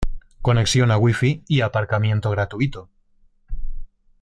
Conexión a WiFi y aparcamiento gratuito.